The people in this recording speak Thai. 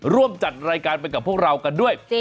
ร่วมจัดรายการไปกับพวกเรากันด้วย